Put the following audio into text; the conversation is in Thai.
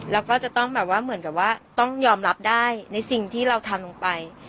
แล้วก็จะต้องแบบว่าเหมือนกับว่าต้องยอมรับได้ในสิ่งที่เราทำลงไป